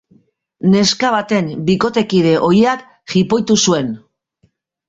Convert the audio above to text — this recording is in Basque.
Neska baten bikotekide ohiak jipoitu zuen.